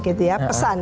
pesan apa yang diperoleh